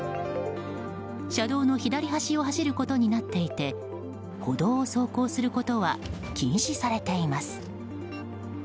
車道の左端を走ることになっていて歩道を走行することは禁止されています。